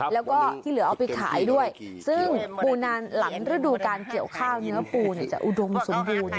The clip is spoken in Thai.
แล้วก็ที่เหลือเอาไปขายด้วยซึ่งปูนานหลังฤดูการเกี่ยวข้าวเนื้อปูจะอุดมสมบูรณ์